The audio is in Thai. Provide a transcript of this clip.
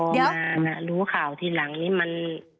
อ๋อเดี๋ยวแต่พอมารู้ข่าวทีหลังนี้มัน